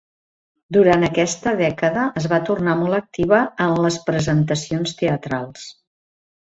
Durant aquesta dècada es va tornar molt activa en les presentacions teatrals.